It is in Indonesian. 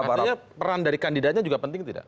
artinya peran dari kandidatnya juga penting tidak